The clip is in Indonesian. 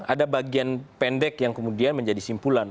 ada bagian pendek yang kemudian menjadi simpulan